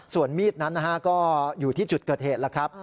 ส่วนมีดนั้นนะฮะก็อยู่ที่จุดเกิดเหตุแล้วครับ